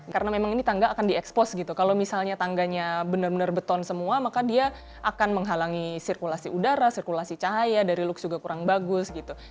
karena memang ini tangga akan di expose gitu kalau misalnya tangganya benar benar beton semua maka dia akan menghalangi sirkulasi udara sirkulasi cahaya dari looks juga kurang bagus gitu